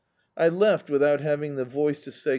I left without having the voice to say [•95] D,i.